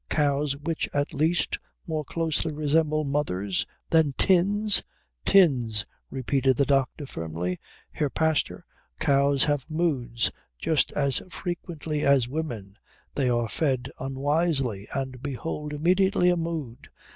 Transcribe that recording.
Cows, which at least more closely resemble mothers than tins?" "Tins," repeated the doctor firmly. "Herr Pastor, cows have moods just as frequently as women. They are fed unwisely, and behold immediately a mood.